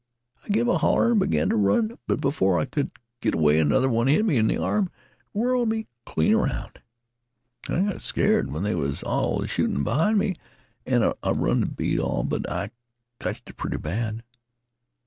I give a holler an' begin t' run, but b'fore I could git away another one hit me in th' arm an' whirl' me clean 'round. I got skeared when they was all a shootin' b'hind me an' I run t' beat all, but I cotch it pretty bad.